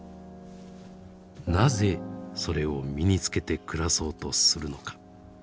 なぜそれを身に着けて暮らそうとするのか。